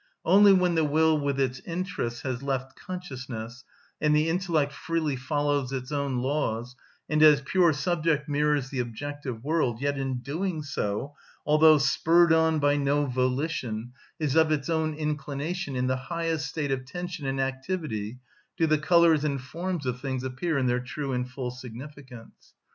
Only when the will with its interests has left consciousness, and the intellect freely follows its own laws, and as pure subject mirrors the objective world, yet in doing so, although spurred on by no volition, is of its own inclination in the highest state of tension and activity, do the colours and forms of things appear in their true and full significance.